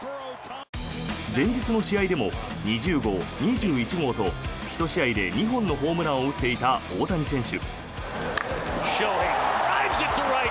前日の試合でも２０号、２１号と１試合で２本のホームランを打っていた大谷選手。